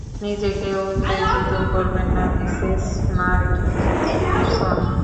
নিজেকে উত্তেজিত করবেন না, মিসেস মার্চিসন।